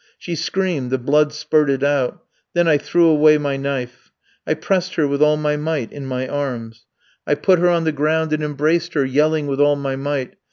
She screamed; the blood spurted out. Then I threw away my knife. I pressed her with all my might in my arms. I put her on the ground and embraced her, yelling with all my might.